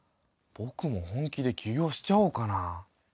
ぼくも本気で起業しちゃおうかな。